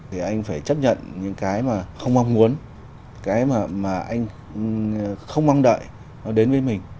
thì anh phải chấp nhận những cái mà không mong muốn cái mà anh không mong đợi nó đến với mình